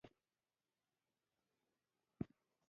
دا د غېر ملي مسیر میینتوب و.